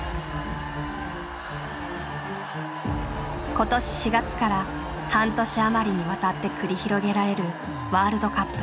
今年４月から半年余りにわたって繰り広げられるワールドカップ。